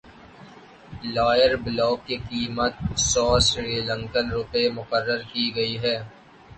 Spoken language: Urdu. لوئر بلاک کی قیمت سو سری لنکن روپے مقرر کی گئی ہے